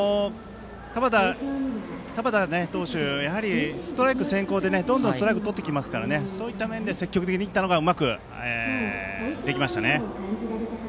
田端投手、ストライク先行でどんどんストライクをとってきますからそういった面で積極的にいったのがうまくできましたね。